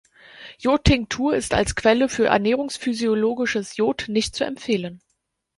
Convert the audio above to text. Jodtinktur ist als Quelle für ernährungsphysiologisches Jod nicht zu empfehlen.